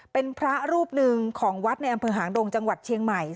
เป็นพระรูปหนึ่งของวัดในอำเภอหางดงจังหวัดเชียงใหม่